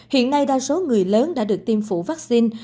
hiện nay đa số người lớn đã được tiêm phủ vaccine